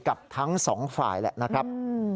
กับทั้งสองฝ่ายแหละนะครับ